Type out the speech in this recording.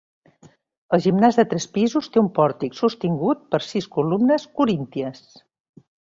El gimnàs de tres pisos té un pòrtic sostingut per sis columnes corínties.